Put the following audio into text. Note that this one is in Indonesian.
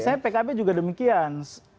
misalnya pkb juga demikian